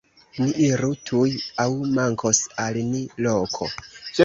Ni iru tuj, aŭ mankos al ni loko!